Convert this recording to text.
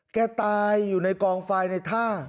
ตายอยู่ในกองไฟในท่า